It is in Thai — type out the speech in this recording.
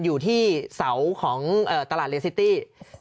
อยู่ที่เสาของตลาดเลซิตี้